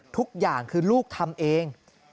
ทุกอย่างคือลูกทำเอง